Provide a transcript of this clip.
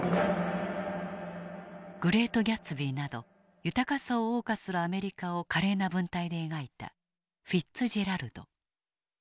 「グレート・ギャツビー」など豊かさをおう歌するアメリカを華麗な文体で描いたフィッツジェラルド。